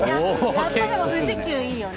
やっぱり富士急いいよね。